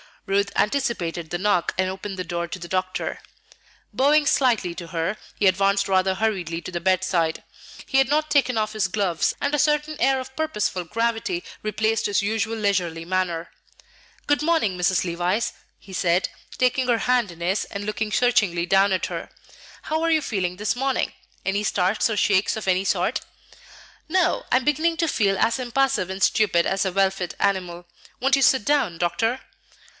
Ruth anticipated the knock, and opened the door to the doctor. Bowing slightly to her, he advanced rather hurriedly to the bedside. He had not taken off his gloves, and a certain air of purposeful gravity replaced his usual leisurely manner. "Good morning, Mrs. Levice," he said, taking her hand in his, and looking searchingly down at her. "How are you feeling this morning? Any starts or shakes of any sort?" "No; I am beginning to feel as impassive and stupid as a well fed animal. Won't you sit down, Doctor?"